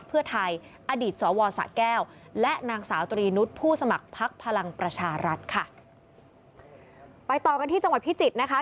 ไปต่อกันที่จังหวัดพิจิตรนะคะ